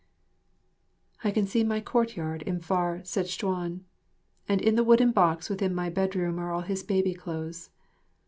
....... I can see my courtyard in far Sezchuan; and in the wooden box within my bedroom are all his baby clothes.